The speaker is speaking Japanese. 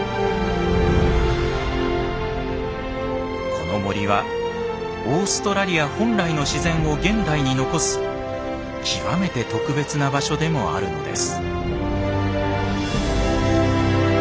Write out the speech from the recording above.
この森はオーストラリア本来の自然を現代に残す極めて特別な場所でもあるのです。